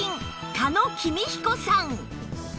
狩野公彦さん